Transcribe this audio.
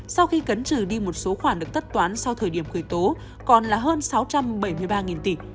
sau khi cấn trừ đi một số khoản được tất toán sau thời điểm khởi tố còn là hơn sáu trăm bảy mươi ba tỷ